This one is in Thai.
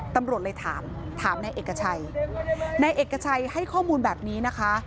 ตำรวจเลยถามถามนายเอกชัยนายเอกชัยให้ข้อมูลแบบนี้นะคะ